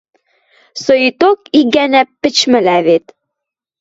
— Соикток ик гӓнӓ пӹчмӹлӓ вет.